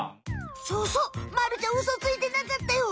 そうそうまるちゃんウソついてなかったよ。